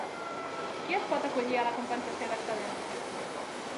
Qui es pot acollir a la compensació d'excedents?